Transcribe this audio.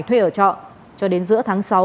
thuê ở trọ cho đến giữa tháng sáu